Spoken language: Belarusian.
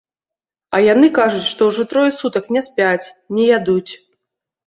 А яны кажуць, што ўжо трое сутак не спяць, не ядуць.